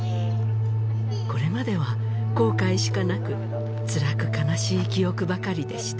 これまでは後悔しかなくつらく悲しい記憶ばかりでした